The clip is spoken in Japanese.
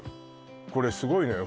これすごいのよ